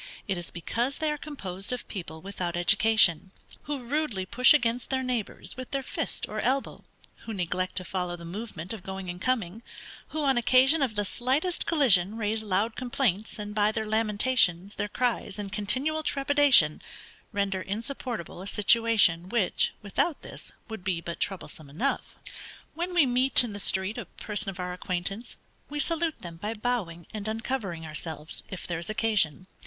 It is because they are composed of people without education, who rudely push against their neighbors, with their fist or elbow, who neglect to follow the movement of going and coming; who, on occasion of the slightest collision, raise loud complaints, and, by their lamentations, their cries, and continual trepidation, render insupportable a situation which, without this, would be but troublesome enough. When we meet, in the street, a person of our acquaintance, we salute them by bowing and uncovering ourselves, if there is occasion.